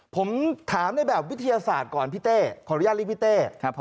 ผมถามในแบบวิทยาศาสตร์ก่อนพี่เต้ขออนุญาตเรียกพี่เต้